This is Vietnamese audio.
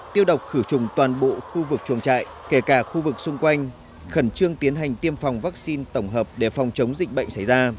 tiêu độc khử trùng toàn bộ khu vực chuồng trại kể cả khu vực xung quanh khẩn trương tiến hành tiêm phòng vaccine tổng hợp để phòng chống dịch bệnh xảy ra